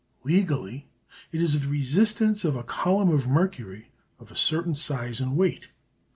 Legally it is the resistance of a column of mercury of a certain size and weight.